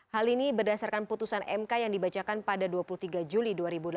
hal ini berdasarkan putusan mk yang dibacakan pada dua puluh tiga juli dua ribu delapan belas